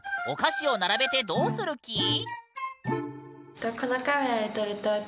お菓子を並べてどうする気？